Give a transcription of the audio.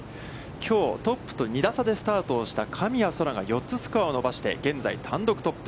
きょう、トップと２打差でスタートをした神谷そらが４つスコアを伸ばして、現在、単独トップ。